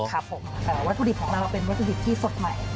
ครับผมวัตถุดิบของเราเป็นวัตถุดิบที่สดใหม่